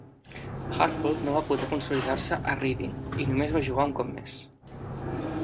Halford no va poder consolidar-se a Reading, i només va jugar un cop més.